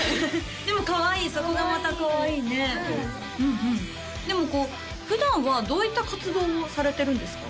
でもかわいいそこがまたかわいいねうんうんでもこう普段はどういった活動をされてるんですか？